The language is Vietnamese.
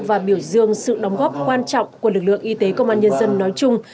và biểu dương sự đóng góp quan trọng của lực lượng y tế công an nhân dân nói chung